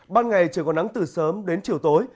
ban ngày trời còn nắng từ sớm đến chiều tối